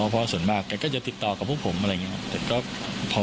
เพราะส่วนมากแกก็จะติดต่อกับพวกผมอะไรอย่างนี้